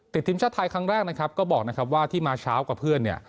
ติดทีมชาติไทยครั้งแรกนะครับก็บอกนะครับว่าที่มาเช้ากับเพื่อนเนี่ย